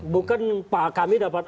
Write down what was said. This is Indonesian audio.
bukan pak kami dapat